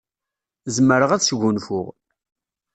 Zemreɣ ad sgunfuɣ.